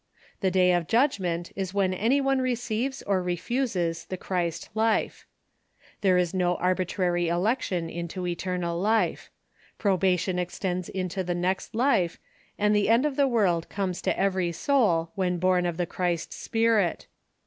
The day of judgment is when anj^ one receives or refuses the Christ life. There is no arbitrary election into eternal life. Probation ex tends into the next life, and the end of the world, comes to every soul when born of the Christ spirit.